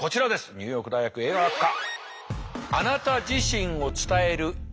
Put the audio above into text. ニューヨーク大学映画学科。